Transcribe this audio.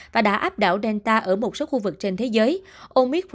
và đã áp đảo delta ở một số khu vực trên thế giới